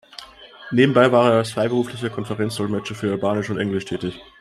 Nebenbei war er als freiberuflicher Konferenz-Dolmetscher für Albanisch und Englisch tätig.